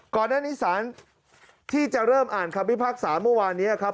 ก่อนหน้านี้สารที่จะเริ่มอ่านคำพิพากษาเมื่อวานนี้ครับ